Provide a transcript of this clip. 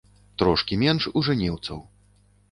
Трошкі менш у жэнеўцаў.